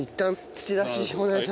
土出し。